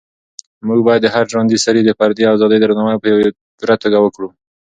موږ باید د هر ژوندي سري د فردي ازادۍ درناوی په پوره توګه وکړو.